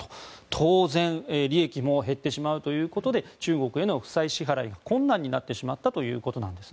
当然、利益も減ってしまうということで中国への負債支払いが困難になってしまったということです。